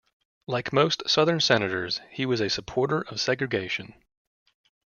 Like most Southern Senators, he was a supporter of segregation.